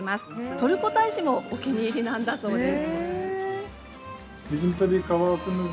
トルコ大使もお気に入りなんだそうです。